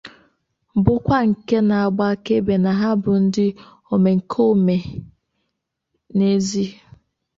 bụkwa nke na-agba akaebe na ha bụ ndị omekoome n'ezie